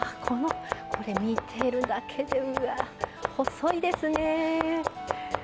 これ、見てるだけで細いですね。